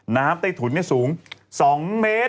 น้ำใต้ถุนสูง๒เมตร